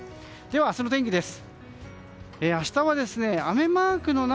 では、明日の天気です。